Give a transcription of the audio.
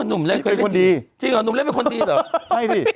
หนุ่มเล่นเคยเล่นดีจริงเหรอหนุ่มเล่นเป็นคนดีเหรอใช่ดิ